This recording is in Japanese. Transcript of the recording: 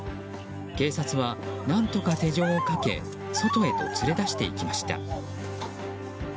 警察は何とか手錠をかけ外へと連れ出していきました。